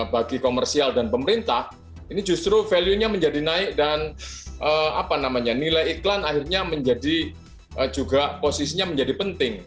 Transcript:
bagi komersial dan pemerintah ini justru value nya menjadi naik dan nilai iklan akhirnya menjadi juga posisinya menjadi penting